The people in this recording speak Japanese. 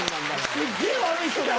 すっげぇ悪い人だよ